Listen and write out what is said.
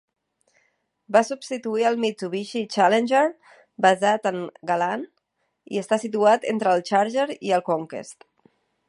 Va substituir el Mitsubishi Challenger, basat en el Galant, i està situat entre el Charger i el Conquest.